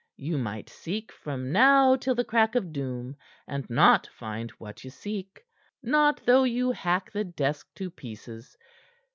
"You might seek from now till the crack of doom, and not find what ye seek not though you hack the desk to pieces.